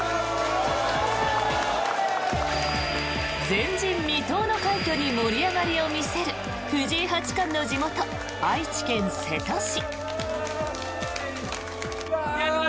前人未到の快挙に盛り上がりを見せる藤井八冠の地元・愛知県瀬戸市。